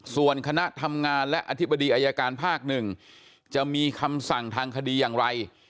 ส่วนคณะทำงานและอธิบดีอายการภาค๑จะมีคำสั่งทางคดีอย่างไร